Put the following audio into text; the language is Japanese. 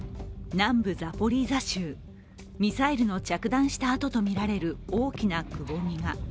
南部ザポリージャ州ミサイルの着弾した跡とみられる大きなくぼみが。